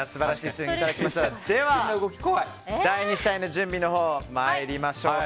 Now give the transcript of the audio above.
では、第２試合の準備参りましょうか。